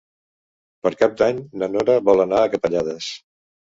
Per Cap d'Any na Nora vol anar a Capellades.